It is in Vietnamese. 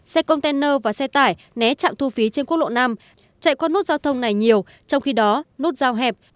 xe container và xe tải né trạm thu phí trên quốc lộ năm chạy qua nút giao thông này nhiều trong khi đó nút giao hẹp